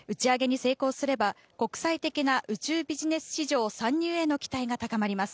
打ち上げに成功すれば国際的な宇宙ビジネス市場参入への期待が高まります。